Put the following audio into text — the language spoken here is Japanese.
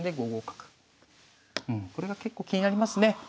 うんこれが結構気になりますね。